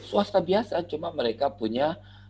swasta biasa cuma mereka punya